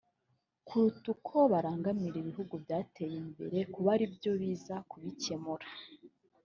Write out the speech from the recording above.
kuruta uko barangamira ibihugu byateye imbere kuba aribyo biza kubicyemura